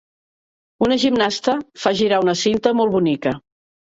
Una gimnasta fa girar una cinta molt bonica.